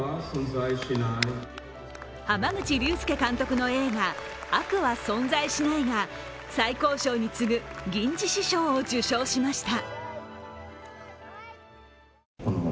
濱口竜介監督の映画「悪は存在しない」が最高賞に次ぐ、銀獅子賞を受賞しました。